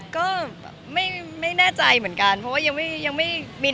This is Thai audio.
ก็ไม่แน่ใจเหมือนกันว่าอย่างดู